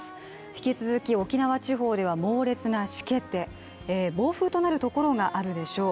引き続き沖縄地方では猛烈なしけで暴風となるところがあるでしょう。